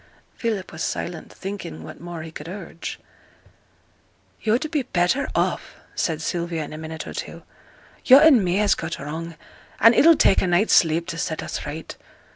Philip was silent, thinking what more he could urge. 'Yo'd better be off,' said Sylvia, in a minute or two. 'Yo' and me has got wrong, and it'll take a night's sleep to set us right.